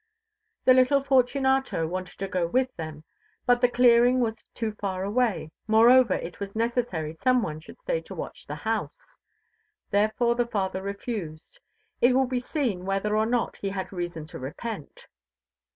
The little Fortunato wanted to go with them, but the clearing was too far away; moreover, it was necessary some one should stay to watch the house; therefore the father refused: it will be seen whether or not he had reason to repent.